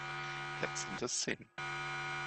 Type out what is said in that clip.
Jetzt sind es zehn.